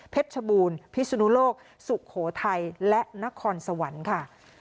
ชบูรณ์พิสุนุโลกสุโขทัยและนครสวรรค์ค่ะ